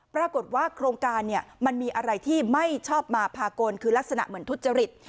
ปรากฏว่าโครงการเนี่ยมันมีอะไรที่ไม่ชอบมาพากลคือลักษณะเหมือนทุจริต